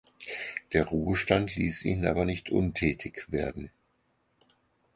Der Ruhestand ließ ihn aber nicht untätig werden.